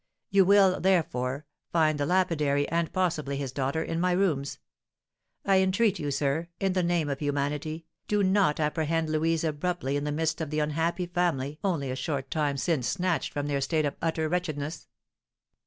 You will, therefore, find the lapidary, and possibly his daughter, in my rooms. I entreat you, sir, in the name of humanity, do not apprehend Louise abruptly in the midst of the unhappy family only a short time since snatched from their state of utter wretchedness.